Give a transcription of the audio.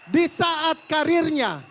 di saat karirnya